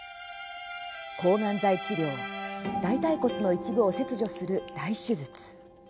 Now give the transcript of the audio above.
抗がん剤治療大たい骨の一部を切除する大手術。